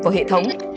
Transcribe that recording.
vào hệ thống